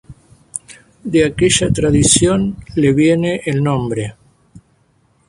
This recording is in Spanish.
De aquella tradición le viene el nombre.